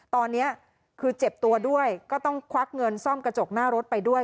ตอนนี้คือเจ็บตัวด้วยก็ต้องควักเงินซ่อมกระจกหน้ารถไปด้วย